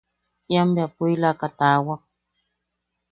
Ian bea puʼilaika taawak.